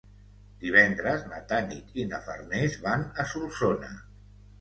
Divendres na Tanit i na Farners van a Solsona.